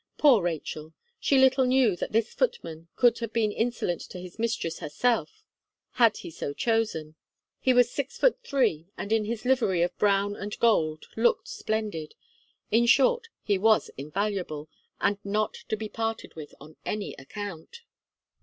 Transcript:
Poor Rachel! she little knew that this footman could have been insolent to his mistress herself, had he so chosen. He was six foot three, and, in his livery of brown and gold, looked splendid. In short, he was invaluable, and not to be parted with on any account.